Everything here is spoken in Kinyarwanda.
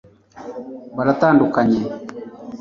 baratandukanye